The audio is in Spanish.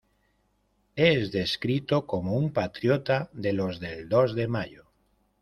Es descrito como un patriota "de los del dos de Mayo".